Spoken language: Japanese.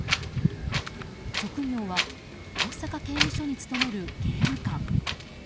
職業は大阪刑務所に勤める刑務官。